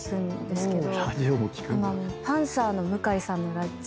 今もパンサーの向井さんのラジオ。